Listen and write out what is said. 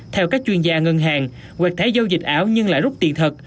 theo các chuyên gia ngân hàng hoạt thái giao dịch ảo nhưng lại rút tiền thật